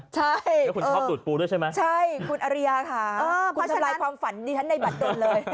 ใช่แล้วคุณชอบดูดปูด้วยใช่ไหมใช่คุณอริยาค่ะคุณทำลายความฝันดิฉันในบัตรเดิมเลย